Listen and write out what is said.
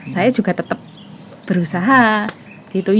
saya juga tetap berusaha